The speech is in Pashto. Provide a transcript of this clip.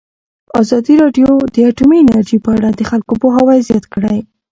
ازادي راډیو د اټومي انرژي په اړه د خلکو پوهاوی زیات کړی.